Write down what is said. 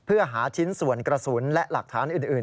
เพื่อหาชิ้นส่วนกระสุนและหลักฐานอื่น